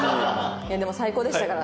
でも最高でしたから。